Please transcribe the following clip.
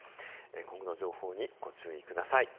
今後の情報にご注意ください。